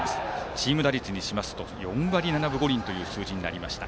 チーム打率にしますと４割７分５厘という数字になりました。